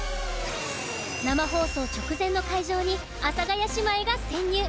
生放送直前の会場に阿佐ヶ谷姉妹が潜入。